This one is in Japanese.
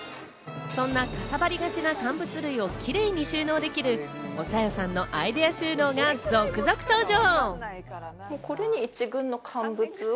そんなかさ張りがちな乾物類をキレイに収納できる、おさよさんのアイデア収納が続々登場。